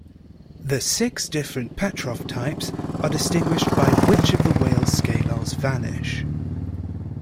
The six different Petrov types are distinguished by which of the Weyl scalars vanish.